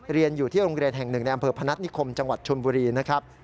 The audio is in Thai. เรียนอยู่ที่โรงเรียนแห่งหนึ่งในอำเภอพนัฐนิคมจังหวัดชนบุรีนะครับ